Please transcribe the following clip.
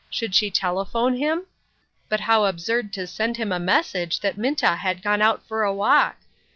Should she telephone him ? But how absurd to send him a message that Minta had gone out for a walk